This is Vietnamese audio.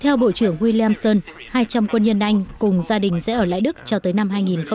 theo bộ trưởng williamson hai trăm linh quân nhân anh cùng gia đình sẽ ở lại đức cho tới năm hai nghìn hai mươi